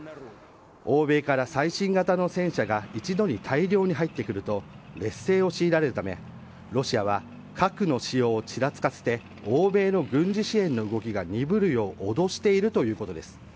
欧米から最新型の戦車が一度に大量に入ってくると劣勢を強いられるためロシアは核の使用をちらつかせて欧米の軍事支援の動きが鈍るよう脅しているということです。